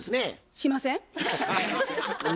しません。